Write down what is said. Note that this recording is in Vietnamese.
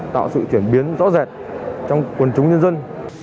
tạo sự chuyển biến rõ rệt trong quần chúng nhân dân